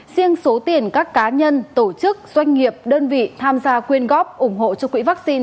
riêng số tiền các cá nhân tổ chức doanh nghiệp đơn vị tham gia quyên góp ủng hộ cho quỹ vaccine